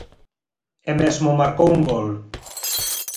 E mesmo marcou un gol.